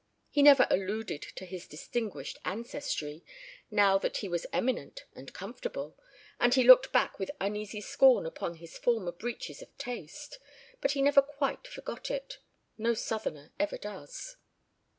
He never alluded to his distinguished ancestry now that he was eminent and comfortable, and he looked back with uneasy scorn upon his former breaches of taste, but he never quite forgot it. No Southerner ever does.